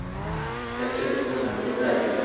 کتابچه د ښو خاطرو ځای دی